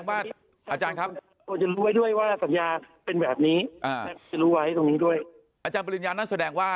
มันจะให้เราเป็นผู้รับผิดสร้างเอง